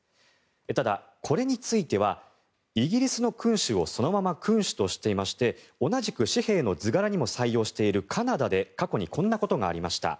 ただ、これについてはイギリスの君主をそのまま君主としていまして同じく紙幣の図柄にも採用しているカナダで過去にこんなことがありました。